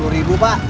dua puluh ribu pak